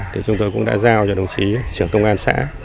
thì chúng tôi cũng đã giao cho đồng chí trưởng công an xã